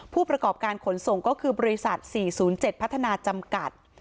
ผู้ประกอบการขนส่งก็คือบริษัท๔๐๗พัฒนาจำกัด